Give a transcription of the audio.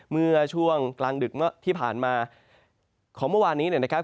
เมื่อช่วงกลางดึกที่ผ่านมาของเมื่อวานนี้นะครับ